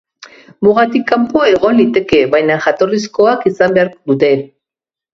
Mugatik kanpo egon liteke, baina jatorrizkoak izan behar dute.